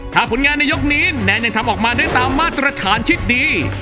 ถ้าผลงานในยกนี้แนนยังทำออกมาได้ตามมาตรฐานที่ดี